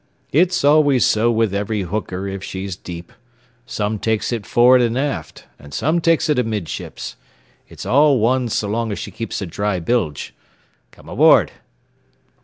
"It's always so with every hooker if she's deep. Some takes it forrad and aft, and some takes it amidships. It's all one s'long as she keeps a dry bilge. Come aboard."